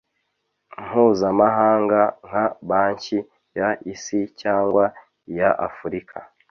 mpuzamahanga nka Banki y Isi cyangwa iya afurika